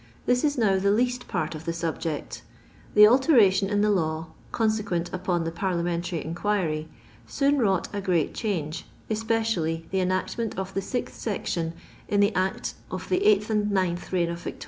This is now the least part of the subject. The alteration in the law, oonsequent upon the parliamentary inquiry, soon wrought a great change, especially the enactment of the 6th Sect in the Act 8 and 9 Vict.